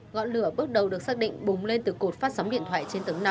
ngọn lửa bước đầu được xác định bùng lên từ cột phát sóng điện thoại trên tầng năm